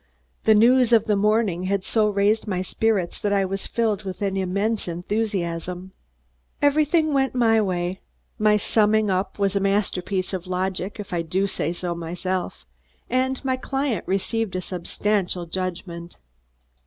The news of the morning had so raised my spirits that I was filled with an immense enthusiasm. Everything went my way. My summing up was a masterpiece of logic, if I do say so myself, and my client received a substantial judgment.